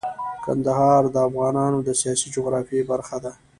کندهار د افغانستان د سیاسي جغرافیه برخه ده.